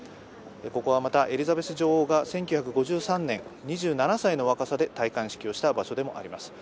ここはまた、エリザベス女王が１９５３年２７歳の若さで戴冠式をした場所でもあります。